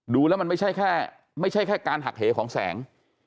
ดูแล้วมันไม่ใช่แค่การหักเหของแสง